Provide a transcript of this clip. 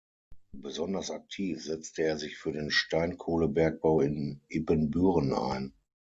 Besonders aktiv setzte er sich für den Steinkohlebergbau in Ibbenbüren ein.